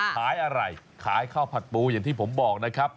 ขายอะไรขายข้าวผัดปูอย่างที่ผมบอกนะครับ